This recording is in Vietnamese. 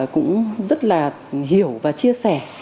cũng rất là hiểu và chia sẻ